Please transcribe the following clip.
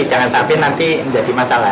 jangan sampai nanti menjadi masalah